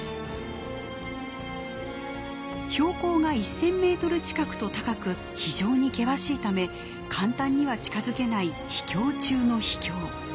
標高が１，０００メートル近くと高く非常に険しいため簡単には近づけない秘境中の秘境。